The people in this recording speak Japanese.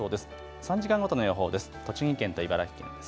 ３時間ごとの予報です。